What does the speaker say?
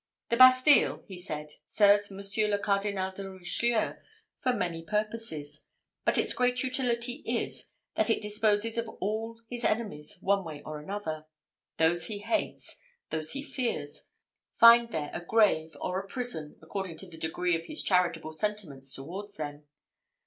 "The Bastille," he said, "serves Monsieur le Cardinal de Richelieu for many purposes: but its great utility is, that it disposes of all his enemies one way or another. Those he hates, or those he fears, find there a grave or a prison, according to the degree of his charitable sentiments towards them.